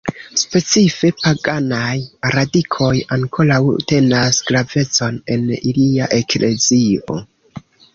Specife, paganaj radikoj ankoraŭ tenas gravecon en ilia eklezio.